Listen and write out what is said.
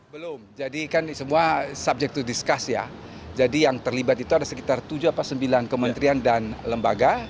belum jadi kan semua subject to discuss ya jadi yang terlibat itu ada sekitar tujuh atau sembilan kementerian dan lembaga